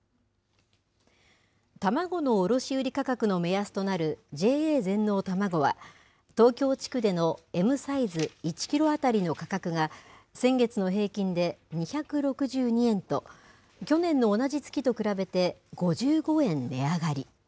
卵の卸売り価格の目安となる、ＪＡ全農たまごは、東京地区でのＭサイズ１キロ当たりの価格が、先月の平均で２６２円と、去年の同じ月と比べて、５５円値上がり。